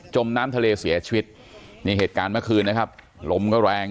มน้ำทะเลเสียชีวิตนี่เหตุการณ์เมื่อคืนนะครับลมก็แรง